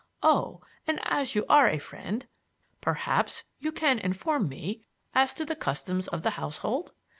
Oh, and as you are a friend, perhaps you can inform me as to the customs of the household.